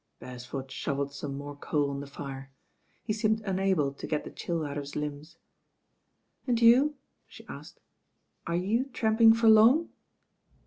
" Beresford shovelled some more coal on the fire. He seemed unable to get the chill out of his limbs. "And you," she asked, ''are you tramping for long?"